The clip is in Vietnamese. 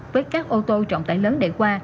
với các ô tô trọn tải lớn để qua